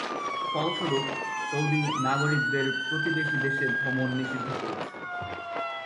ফলস্বরূপ, সৌদি নাগরিকদের প্রতিবেশী দেশে ভ্রমণ নিষিদ্ধ করেছে।